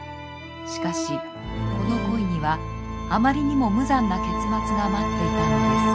しかしこの恋にはあまりにも無残な結末が待っていたのです。